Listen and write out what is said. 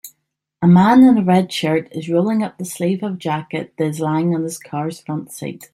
A man in a red shirt is rolling up the sleeve of a jacket that is lying on his cars front seat